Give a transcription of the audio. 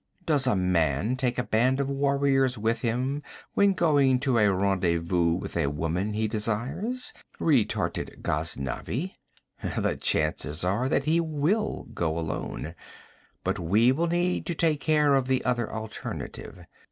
'Does a man take a band of warriors with him, when going to a rendezvous with a woman he desires?' retorted Ghaznavi. 'The chances are all that he will go alone. But we will take care of the other alternative.